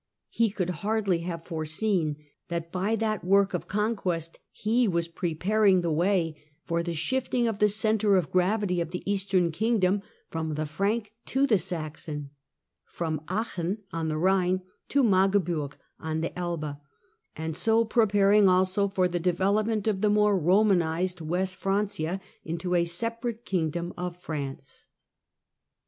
He could hardly have foreseen that by that work of conquest he was preparing the way for the shifting of the centre of gravity of the Eastern kingdom from the Frank to the Saxon — from Aachen on the Rhine to Magdeburg on the Elbe, and so preparing also for the development of the more Romanised West Francia into a separate kingdom of France.